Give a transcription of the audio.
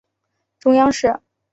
中央社